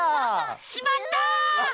しまった！